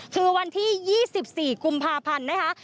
คือวันที่๒๔กุมภาพันธ์นะคะ